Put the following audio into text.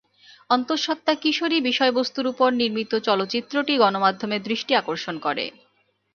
অন্তঃসত্ত্বা কিশোরী বিষয়বস্তুর উপর নির্মিত চলচ্চিত্রটি গণমাধ্যমের দৃষ্টি আকর্ষণ করে।